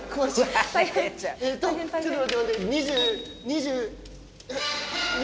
２０２０。